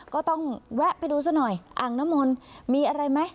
แวะไปดูซะหน่อยอ่างน้ำมนต์มีอะไรไหม